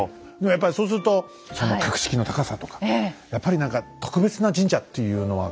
やっぱりそうするとその格式の高さとかやっぱり何か特別な神社っていうのは感じますね。